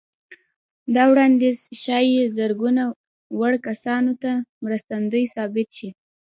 دا وړانديز ښايي زرګونه وړ کسانو ته مرستندوی ثابت شي.